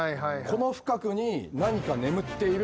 この深くに何か眠っている。